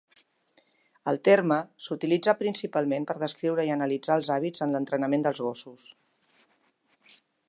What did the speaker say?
El terme s'utilitza principalment per descriure i analitzar els hàbits en l'entrenament dels gossos.